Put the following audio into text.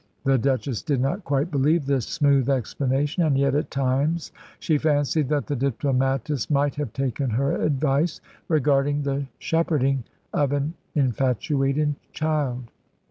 The Duchess did not quite believe this smooth explanation; and yet, at times, she fancied that the diplomatist might have taken her advice regarding the shepherding of an infatuated child.